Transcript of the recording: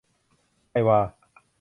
ไทยวา